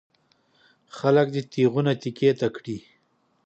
خلک دې تېغونه تېکې ته کړي.